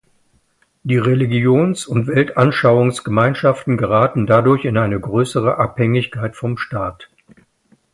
Die Religions- und Weltanschauungsgemeinschaften geraten dadurch in eine größere Abhängigkeit vom Staat.